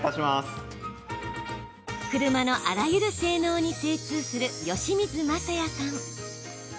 車のあらゆる性能に精通する由水雅也さん。